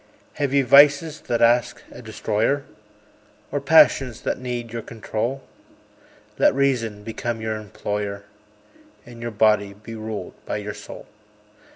Have ye vices that ask a destroyer? Or passions that need your control? Let Reason become your employer, And your body be ruled by your soul.